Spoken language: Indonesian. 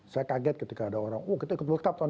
saya kaget ketika ada orang oh kita ikut world cup tahun ini